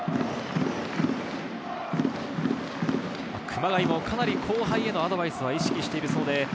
熊谷もかなり後輩へのアドバイスは意識しているそうです。